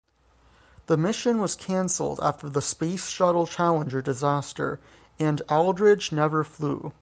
The mission was canceled after the Space Shuttle Challenger disaster, and Aldridge never flew.